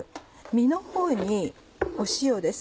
身のほうに塩です。